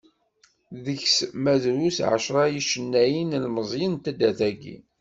Deg-s ma drus ɛecra n yicennayen ilmeẓyen n taddart-agi.